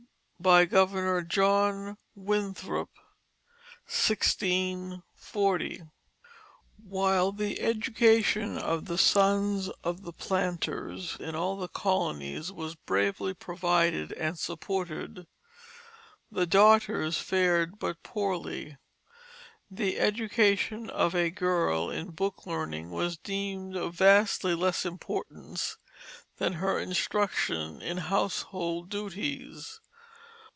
Governor John Winthrop, 1640. While the education of the sons of the planters in all the colonies was bravely provided and supported, the daughters fared but poorly. The education of a girl in book learning was deemed of vastly less importance than her instruction in household duties.